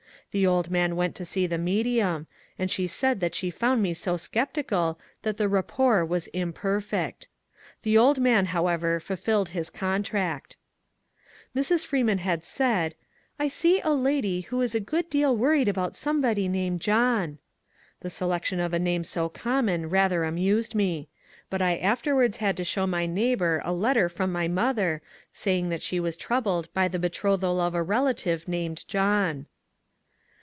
The old man went to see the medium, and she said that she foimd me so sceptical that the rapport was imperfect. The old man, however, ful filled his contract. Mrs. Freeman had said, ^^ I see a lady who is a good deal worried about somebody named John." The selection of a name so common rather amused me ; but I afterwards had to show my neighbour a letter from my mother saying that she was troubled by the betrothal of a relative named John.